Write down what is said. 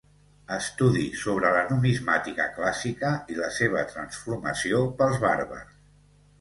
Estudi sobre la numismàtica clàssica i la seva transformació pels bàrbars.